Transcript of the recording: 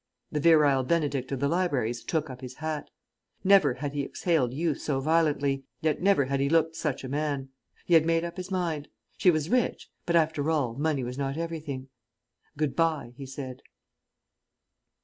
The Virile Benedict of the Libraries took up his hat. Never had he exhaled youth so violently, yet never had he looked such a man. He had made up his mind. She was rich; but, after all, money was not everything. "Good bye," he said.